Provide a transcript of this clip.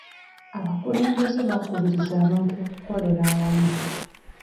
Abakulembeze bakubirizza abantu okukolera awamu.